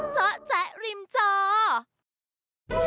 โปรดติดตามตอนต่อไป